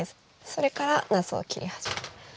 それからなすを切り始め。